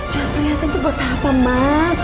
cut perhiasan itu buat apa mas